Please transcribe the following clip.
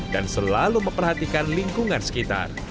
dan selalu memperhatikan lingkungan sekitar